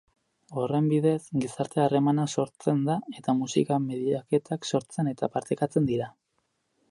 Horren bidez, gizarte-harremana sortzen da eta musika-mediatekak sortzen eta partekatzen dira.